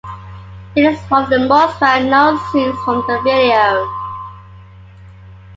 It is one of the most well-known scenes from the video.